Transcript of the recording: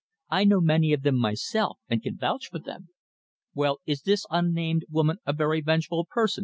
I know many of them myself, and can vouch for them." "Well, is this unnamed woman a very vengeful person?"